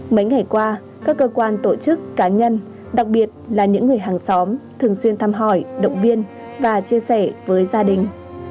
mấy ngày qua các cơ quan tổ chức cá nhân đặc biệt là những người hàng xóm thường xuyên thăm hỏi động viên và chia sẻ với gia đình